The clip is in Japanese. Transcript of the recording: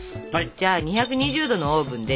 じゃあ２２０℃のオーブンで１５分。